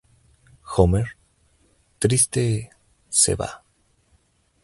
Homer, triste, se va.